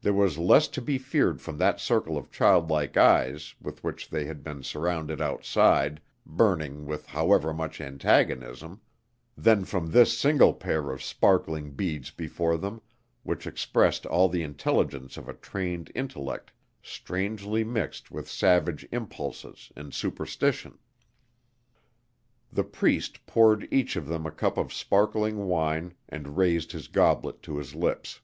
There was less to be feared from that circle of childlike eyes with which they had been surrounded outside, burning with however much antagonism, than from this single pair of sparkling beads before them, which expressed all the intelligence of a trained intellect strangely mixed with savage impulses and superstition. The Priest poured each of them a cup of sparkling wine and raised his goblet to his lips.